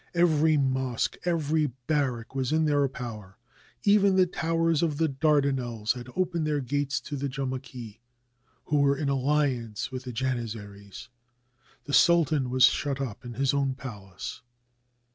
Every mosque, every barrack, was in their power; even the towers of the Dardanelles had opened their gates to the Jamaki, who were in alliance with the Jani zaries. The sultan was shut up in his own palace.